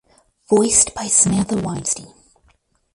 Voiced by Samantha Weinstein.